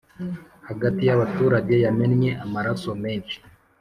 hagati y’abaturage yamennye amaraso menshi